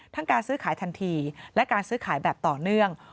การซื้อขายทันทีและการซื้อขายแบบต่อเนื่อง